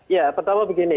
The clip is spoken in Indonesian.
ya pertama begini